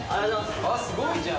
すごいじゃん。